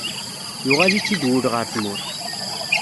Yuɣal-itt-id wul ɣer tmurt.